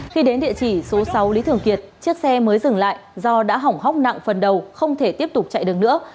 khi đến địa chỉ số sáu lý thường kiệt chiếc xe mới dừng lại do đã hỏng hóc nặng phần đầu không thể tiếp tục chạy được nữa